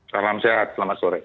salam sehat selamat sore